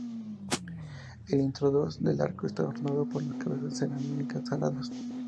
El intradós del arco esta ornado por cabezas de serafines aladas.